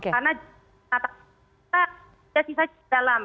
karena data kita kita sisa di dalam